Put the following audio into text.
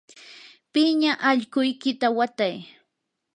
piña allquykita watay.